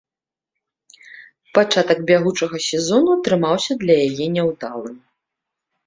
Пачатак бягучага сезону атрымаўся для яе няўдалым.